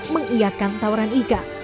mengiakkan tawaran ika